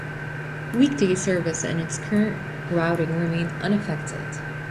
Weekday service and its current routing remained unaffected.